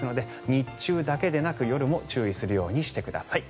日中だけなく夜も注意するようにしてください。